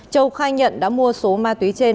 châu khai nhận đã mua số ma túy trên